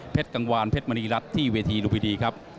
เพชรกังวาลเพชรมณีรัฐที่เวทีรุมีดีครับ